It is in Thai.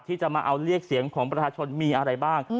ที่จะมาเอาเรียกเสียงของประชาชนมีอะไรบ้าง